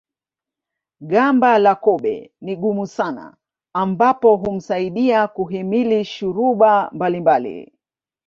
Gamba la kobe ni gumu sana ambapo humsaidia kuhimili shuruba mbalimbali